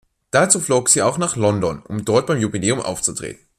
Dazu flog sie auch nach London, um dort beim Jubiläum aufzutreten.